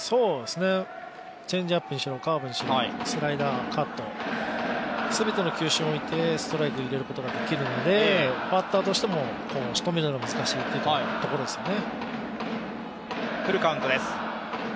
チェンジアップにしろカーブにしろ、スライダー、カット、全ての球種においてストライク入れることができるのでバッターとしてもしとめるのが難しいというところですよね。